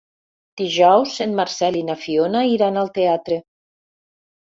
Dijous en Marcel i na Fiona iran al teatre.